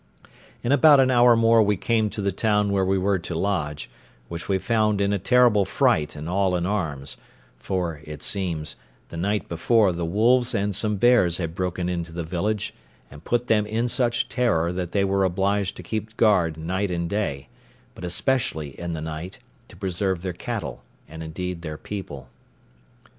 In about an hour more we came to the town where we were to lodge, which we found in a terrible fright and all in arms; for, it seems, the night before the wolves and some bears had broken into the village, and put them in such terror that they were obliged to keep guard night and day, but especially in the night, to preserve their cattle, and indeed their people.